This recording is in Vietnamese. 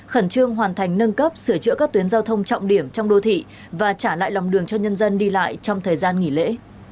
khẩn trương hoàn thành nâng cấp sửa chữa các tuyến giao thông trọng điểm trong đô thị và trả lại lòng đường cho nhân dân đi lại trong thời gian nghỉ lễ